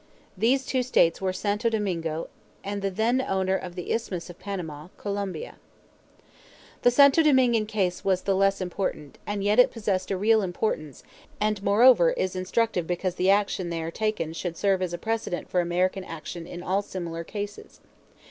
These two states were Santo Domingo and the then owner of the Isthmus of Panama, Colombia. The Santo Domingan case was the less important; and yet it possessed a real importance, and moreover is instructive because the action there taken should serve as a precedent for American action in all similar cases.